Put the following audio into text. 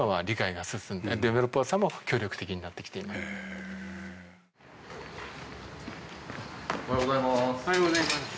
おはようございます。